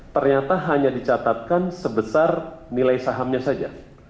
ternyata hanya dicatatkan sebesar nilai sahamnya saja